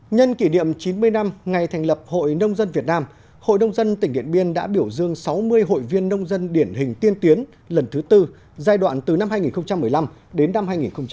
nhân kỷ niệm chín mươi năm ngày thành lập hội nông dân việt nam hội nông dân tỉnh điện biên đã biểu dương sáu mươi hội viên nông dân điển hình tiên tiến lần thứ tư giai đoạn từ năm hai nghìn một mươi năm đến năm hai nghìn hai mươi